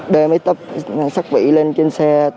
đưa mấy tắp sắc vỉ lên trên xe